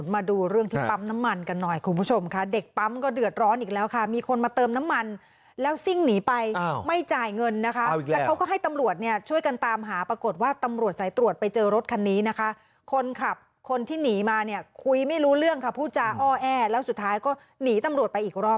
มาดูเรื่องที่ปั๊มน้ำมันกันหน่อยคุณผู้ชมค่ะเด็กปั๊มก็เดือดร้อนอีกแล้วค่ะมีคนมาเติมน้ำมันแล้วซิ่งหนีไปไม่จ่ายเงินนะคะแล้วเขาก็ให้ตำรวจเนี่ยช่วยกันตามหาปรากฏว่าตำรวจสายตรวจไปเจอรถคันนี้นะคะคนขับคนที่หนีมาเนี่ยคุยไม่รู้เรื่องค่ะพูดจาอ้อแอแล้วสุดท้ายก็หนีตำรวจไปอีกรอบ